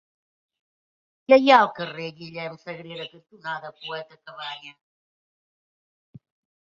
Què hi ha al carrer Guillem Sagrera cantonada Poeta Cabanyes?